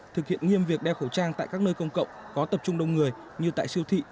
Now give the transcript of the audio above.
thực hiện nghiêm việc đeo khẩu trang tại các nơi công cộng có tập trung đông người như tại siêu thị